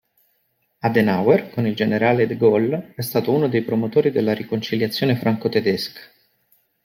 Adenauer, con il generale de Gaulle, è stato uno dei promotori della riconciliazione franco-tedesca.